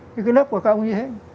cái lớp của các ông như thế